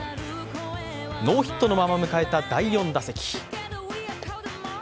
ノーヒットのまま迎えた第４打席。